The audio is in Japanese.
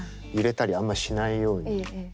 揺れたりあんましないように。